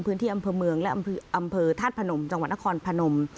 พื้นที่อำเภอเมืองและอำเภอธาตุพนมจังหวัดนครพนม